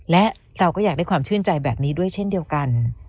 และเราก็อยากได้ความชื่นใจแบบนี้ด้วยเช่นเดียวกัน